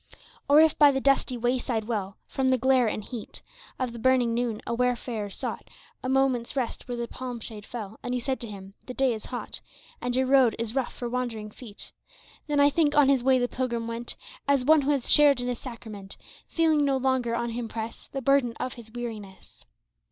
139 Or if by the dusty wayside well, From the glare and heat Of the burning noon a wayfarer sought A moment's rest where the palm shade fell, And he said to him, 'The day is hot, And your road is rough for wandering feet," Then I think on his way the pilgrim went As one who has shared in a sacrament, Feeling no longer on him press The burden of his weariness.